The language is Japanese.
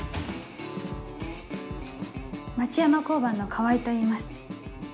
町山交番の川合といいます。